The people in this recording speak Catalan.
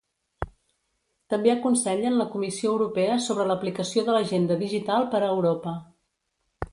També aconsellen la Comissió Europea sobre l'aplicació de l'Agenda Digital per a Europa.